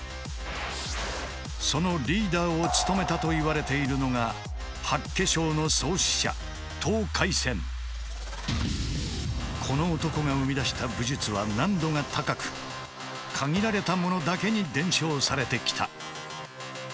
そのリーダーを務めたといわれているのがこの男が生み出した武術は難度が高く限られた者だけに伝承されてきた。